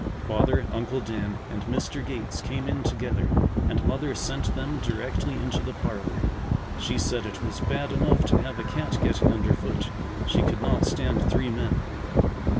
Father, Uncle Dan, and Mr. Gates came in together and Mother sent them directly into the parlor. She said it was bad enough to have a cat getting underfoot; she could not stand three men.